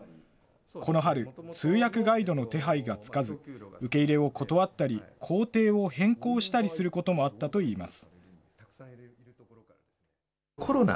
この春、通訳ガイドの手配がつかず、受け入れを断ったり、行程を変更したりすることもあったといいます。